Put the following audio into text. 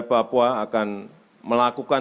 papua akan melakukan